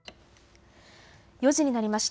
４時になりました。